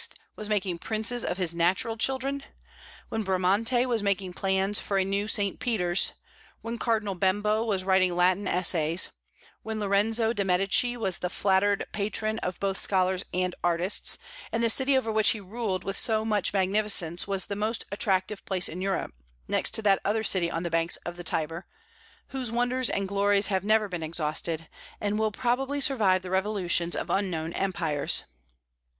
was making princes of his natural children; when Bramante was making plans for a new St. Peter's; when Cardinal Bembo was writing Latin essays; when Lorenzo de' Medici was the flattered patron of both scholars and artists, and the city over which he ruled with so much magnificence was the most attractive place in Europe, next to that other city on the banks of the Tiber, whose wonders and glories have never been exhausted, and will probably survive the revolutions of unknown empires.